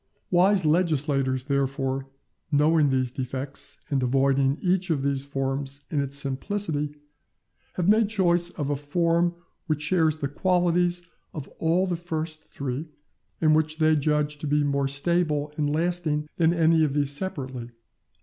Wise legislators therefore, knowing these defects, and avoiding each of these forms in its simplicity, have made choice of a form which shares in the qualities of all the first three, and which they judge to be more stable and lasting than any of these separately.